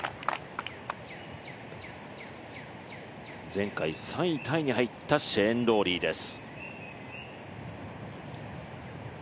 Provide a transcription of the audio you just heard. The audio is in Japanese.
前回、３位タイに入ったシェーン・ローリーです。